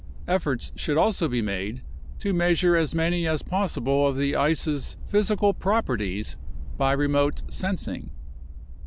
Efforts should also be made to measure as many as possible of the ice's physical properties by remote sensing.